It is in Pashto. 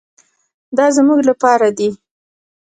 دا زموږ لپاره دي.